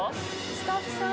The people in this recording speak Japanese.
スタッフさん？